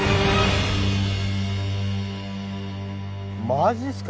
マジっすか？